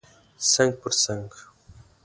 څنګ پر څنګ